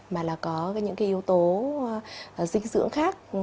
mà là có những cái yếu tố dinh dưỡng khác